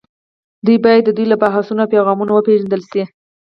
دوی باید د دوی له بحثونو او پیغامونو وپېژندل شي